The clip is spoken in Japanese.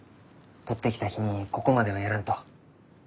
採ってきた日にここまではやらんと。